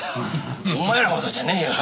お前らほどじゃねえよ。